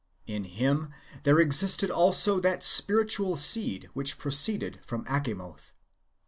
In him there existed also that spiritual seed which proceeded from Achamoth.